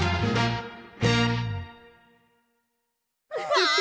わあ！